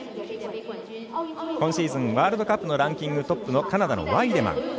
今シーズン、ワールドカップのランキングトップのカナダのワイデマン。